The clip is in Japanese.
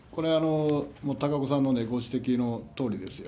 高岡さんのご指摘のとおりですよ。